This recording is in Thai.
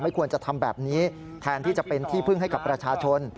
ควรจะทำแบบนี้แทนที่จะเป็นที่พึ่งให้กับประชาชน